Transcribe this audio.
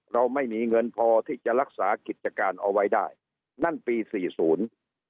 เราไม่มีเงินพอที่จะรักษากิจการเอาไว้ได้นั่นปีสี่ศูนย์